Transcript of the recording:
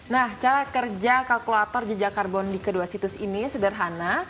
nah cara kerja kalkulator jejak karbon di kedua situs ini sederhana